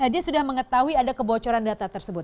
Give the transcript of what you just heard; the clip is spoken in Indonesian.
dia sudah mengetahui ada kebocoran data tersebut